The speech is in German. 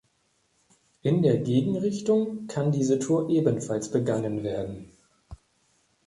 In der Gegenrichtung kann diese Tour ebenfalls begangen werden.